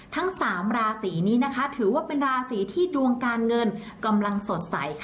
ทั้งสามราศีนี้นะคะถือว่าเป็นราศีที่ดวงการเงินกำลังสดใสค่ะ